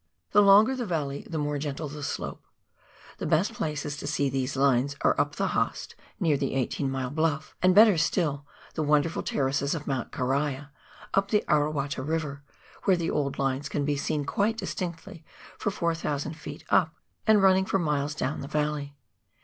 The longer the valley the more gentle the slope. The best places to see these lines are up the Haast, near the Eighteen mile bluff ; and, better still, the wonderful terraces of Mount Caria, up the Arawata River, where the old lines can be seen quite distinctly for 4,000 ft. up, and running for miles down the valley.